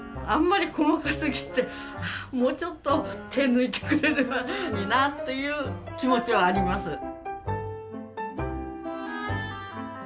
あんまり細かすぎてもうちょっと手抜いてくれればいいなっていう気持ちはあります。